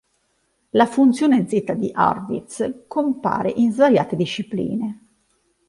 La funzione zeta di Hurwitz compare in svariate discipline.